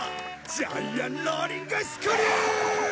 ジャイアンローリングスクリュー！